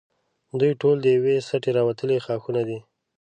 دوی ټول د یوې سټې راوتلي ښاخونه دي.